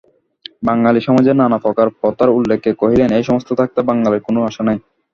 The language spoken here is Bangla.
বাঙালি-সমাজের নানাপ্রকার প্রথার উল্লেখে কহিলেন, এ-সমস্ত থাকতে বাঙালির কোনো আশা নেই।